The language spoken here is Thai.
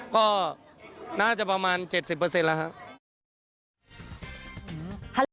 ก็น่าจะประมาณ๗๐เปอร์เซ็นต์แล้วครับ